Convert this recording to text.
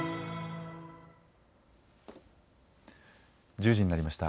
１０時になりました。